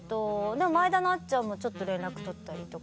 でも前田のあっちゃんもちょっと連絡取ったりとか。